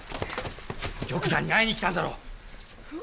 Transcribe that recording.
玉山に会いにきたんだろう！